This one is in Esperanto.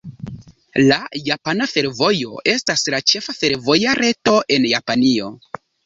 La Japana Fervojo estas la ĉefa fervoja reto en Japanio.